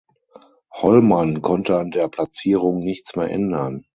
Hollmann konnte an der Platzierung nichts mehr ändern.